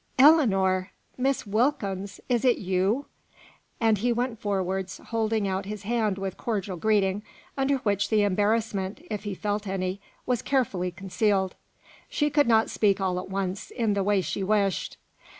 "Ellinor! Miss Wilkins! is it you?" And he went forwards, holding out his hand with cordial greeting, under which the embarrassment, if he felt any, was carefully concealed. She could not speak all at once in the way she wished.